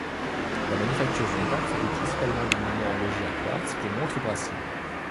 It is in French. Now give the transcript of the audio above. La manufacture Ronda produit principalement des mouvements horlogers à quartz, pour montres-bracelets.